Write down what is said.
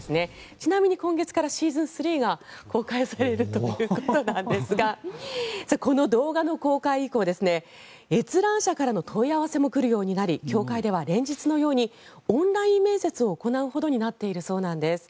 ちなみに今月からシーズン３が公開されるということなんですがこの動画の公開以降閲覧者からの問い合わせも来るようになり協会では連日のようにオンライン面接を行うほどになっているそうです。